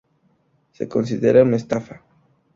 Se considera una estafa.